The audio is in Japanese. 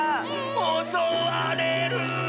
おそわれる！